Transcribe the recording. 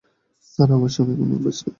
Sir, আমার স্বামী এখন আর বেঁচে নেই।